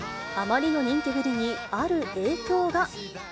あまりの人気ぶりに、ある影響が。